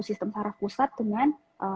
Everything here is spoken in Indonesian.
sistem saraf pusat dengan